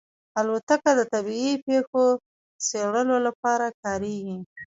الوتکه د طبیعي پېښو څېړلو لپاره کارېږي.